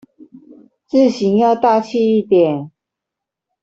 字型要大器一點